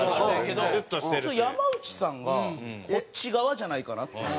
ちょっと山内さんがこっち側じゃないかなっていう。